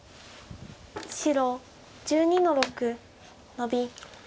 白１２の六ノビ。